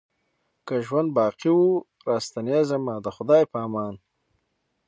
که ژوند باقي وو را ستنېږمه د خدای په امان